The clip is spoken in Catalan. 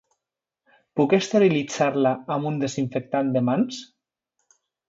Puc esterilitzar-la amb un desinfectant de mans?